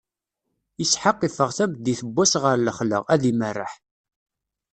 Isḥaq iffeɣ tameddit n wass ɣer lexla, ad imerreḥ.